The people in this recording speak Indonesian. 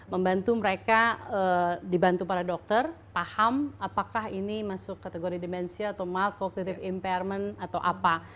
membantu mereka dibantu para dokter paham apakah ini masuk kategori demensia atau mild cognitive impairment atau apa